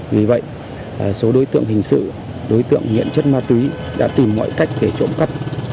vì vậy số đối tượng hình sự đối tượng nghiện chất ma túy đã tìm mọi cách để trộm cắp